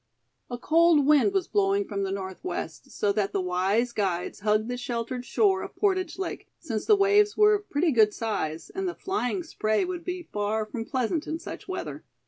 A cold wind was blowing from the northwest so that the wise guides hugged the sheltered shore of Portage Lake, since the waves were of pretty good size, and the flying spray would be far from pleasant in such weather.